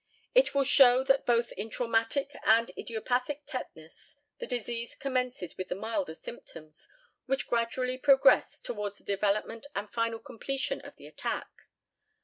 It will show that both in traumatic and idiopathic tetanus the disease commences with the milder symptoms, which gradually progress towards the development and final completion of the attack.